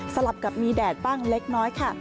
ลับกับมีแดดบ้างเล็กน้อยค่ะ